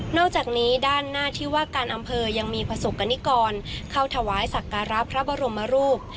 อกจากนี้ด้านหน้าที่ว่าการอำเภอยังมีประสบกรณิกรเข้าถวายสักการะพระบรมรูป